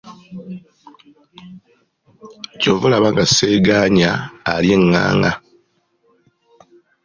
Ky'ova olaba nga Ssegaanya alya ennaana.